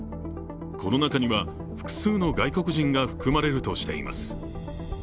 この中には複数の外国人が含まれるとしています。